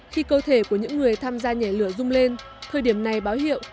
khi cơ thể của những người tham gia nhảy lửa rung lên thời điểm này báo hiệu